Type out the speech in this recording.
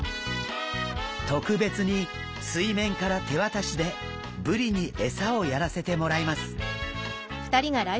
特別に水面から手渡しでブリに餌をやらせてもらいます。